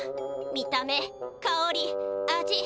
見た目かおり味